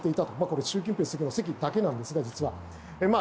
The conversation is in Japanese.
これは習近平主席の席だけなんですが。